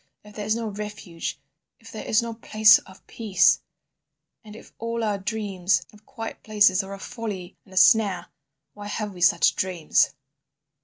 If there is no refuge, if there is no place of peace, and if all our dreams of quiet places are a folly and a snare, why have we such dreams?